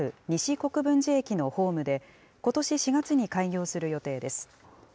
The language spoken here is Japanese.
西国分寺駅のホームで、ことし４月に開業する予定です。